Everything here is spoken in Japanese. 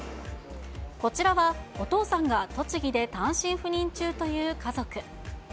こちらはお父さんが栃木で単身赴任中という家族。